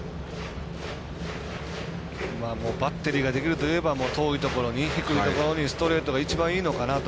バッテリーができるといえば遠いところに、低いところにストレートが一番いいのかなと。